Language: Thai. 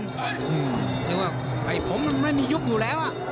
หรือว่าไอ้ผมมันไม่มียุบอยู่แล้ว